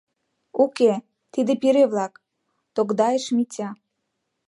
— Уке, тиде пире-влак, — тогдайыш Митя.